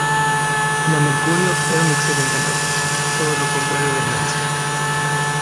La "Mercurio" era una excelente nave, todo lo contrario del "Nancy".